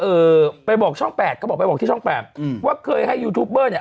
เอ่อไปบอกช่องแปดเขาบอกไปบอกที่ช่องแปดอืมว่าเคยให้ยูทูปเบอร์เนี้ย